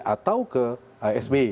atau ke sbi